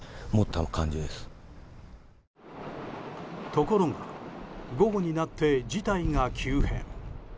ところが、午後になって事態が急変。